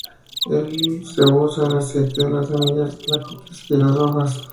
Se usa el aceite de las semillas, la corteza y las hojas.